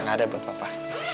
ada buat papa